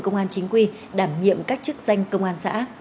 công an chính quy đảm nhiệm các chức danh công an xã